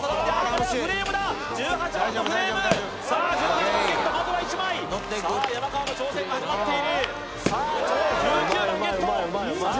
これはフレームだ１８番のフレームさあ１８番ゲットまずは１枚さあ山川の挑戦が始まっている１９番ゲットさあ